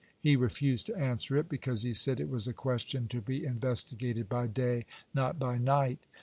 He refused to answer it, because, he said, it was a question to be investigated by day, not by night.